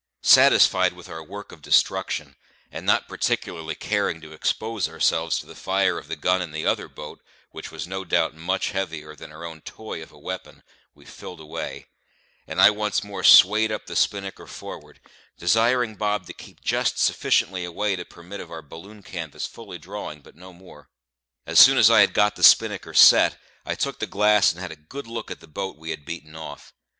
Satisfied with our work of destruction, and not particularly caring to expose ourselves to the fire of the gun in the other boat, which was no doubt much heavier than our own toy of a weapon, we filled away; and I once more swayed up the spinnaker forward, desiring Bob to keep just sufficiently away to permit of our balloon canvas fully drawing, but no more. As soon as I had got the spinnaker set, I took the glass and had a good look at the boat we had beaten off.